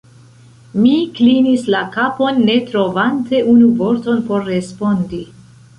Mi klinis la kapon, ne trovante unu vorton por respondi.